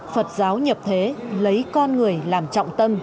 phật giáo nhập thế lấy con người làm trọng tâm